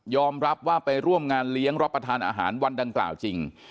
รับว่าไปร่วมงานเลี้ยงรับประทานอาหารวันดังกล่าวจริง